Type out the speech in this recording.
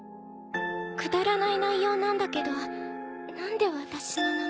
くだらない内容なんだけど何で私の名前。